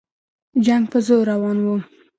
جنګ په زور روان وو.